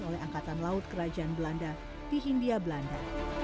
oleh angkatan laut kerajaan belanda di hindia belanda